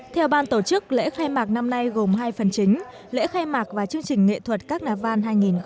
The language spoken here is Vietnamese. theo ban tổ chức lễ khai mạc năm nay gồm hai phần chính lễ khai mạc và chương trình nghệ thuật các nà văn hai nghìn một mươi tám